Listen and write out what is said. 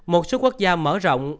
một số quốc gia mở rộng